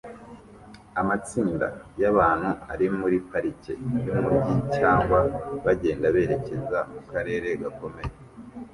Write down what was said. Amatsinda yabantu ari muri parike yumujyi cyangwa bagenda berekeza mukarere gakomeye